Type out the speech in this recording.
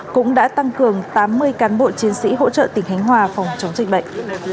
cũng đã tăng cường tám mươi cán bộ chiến sĩ hỗ trợ tỉnh khánh hòa phòng chống dịch bệnh